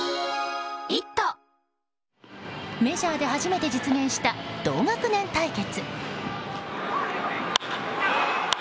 メジャーで初めて実現した同学年対決。